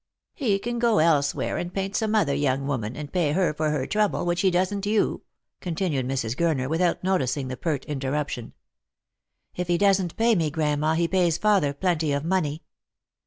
" He can go elsewhere and paint some other young woman, and pay her for her trouble, which he doesn't you," continued Mrs. Gurner, without noticing the pert interruption " If he doesn't pay me, grandma, he pays father plenty of money."